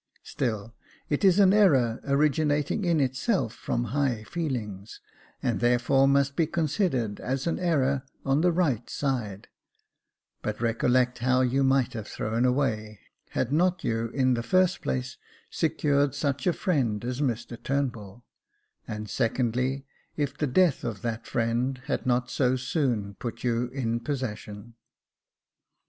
Still it is an error originating in itself from high feelings, and therefore must be considered as an error on the right side ; but recollect how much you might have thrown away, had not you, in the first place, secured such a friend as Mr Turnbull ; and, secondly, if the death of that friend had not so soon put you in possession."